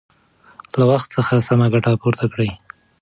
له وخت څخه سمه ګټه پورته کړئ.